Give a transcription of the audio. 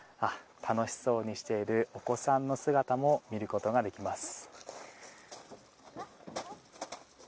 楽しそうにしているお子さんの姿も見ることができます。